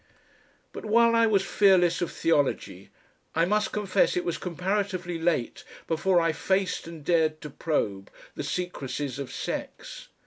But while I was fearless of theology I must confess it was comparatively late before I faced and dared to probe the secrecies of sex.